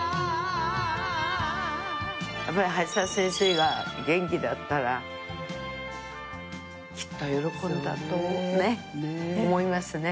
やっぱり橋田先生が元気だったらきっと喜んだとね思いますね。